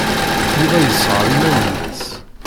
Yuba yessɣer iman-nnes.